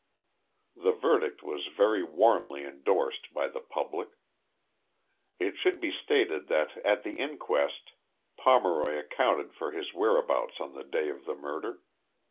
The verdict was very warmly endorsed by the public. It should be stated that at the inquest Pomeroy accounted for his whereabouts on the day of the murder.